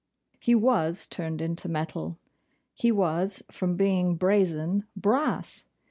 He WAS turned into metal! He was, from being BRAZEN, BRASS!